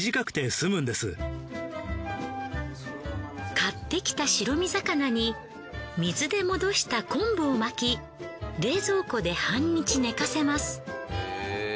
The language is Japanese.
買ってきた白身魚に水で戻した昆布を巻き冷蔵庫で半日寝かせます。